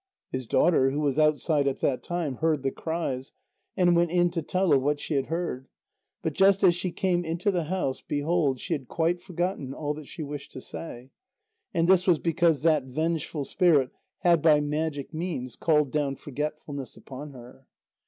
His daughter, who was outside at that time, heard the cries, and went in to tell of what she had heard, but just as she came into the house, behold, she had quite forgotten all that she wished to say. And this was because that vengeful spirit had by magic means called down forgetfulness upon her.